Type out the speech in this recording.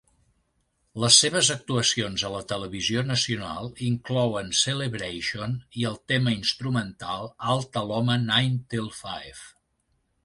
Les seves actuacions a la televisió nacional inclouen "Celebration" i el tema instrumental "Alta Loma Nine 'till Five".